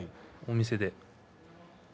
お店で。